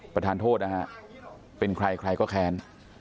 ประธานโทษนะฮะเป็นใครใครก็แค้น